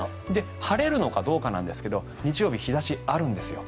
晴れるのかどうかなんですが日曜日、日差しあるんですよ。